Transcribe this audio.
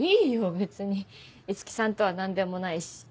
別に五木さんとは何でもないし。